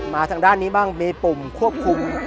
ทางด้านนี้บ้างมีปุ่มควบคุม